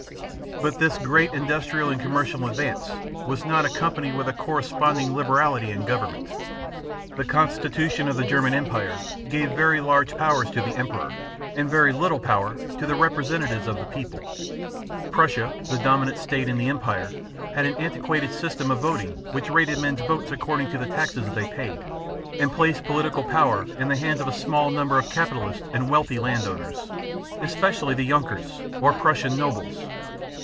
But this great industrial and commercial advance was not accompanied with a corresponding liberality in government. The constitution of the German Empire gave very large powers to the emperor, and very little power to the representatives of the people. Prussia, the dominant state in the empire, had an antiquated system of voting which rated men's votes according to the taxes they paid, and placed political power in the hands of a small number of capitalists and wealthy landowners, especially the Junkers (yoong´kerz), or Prussian nobles.